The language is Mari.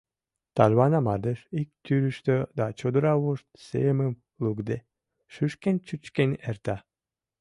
Тарвана мардеж ик тӱрыштӧ да чодыра вошт, семым лукде, шӱшкен-чӱчкен эрта.